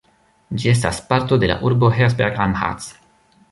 Ĝi estas parto de la urbo Herzberg am Harz.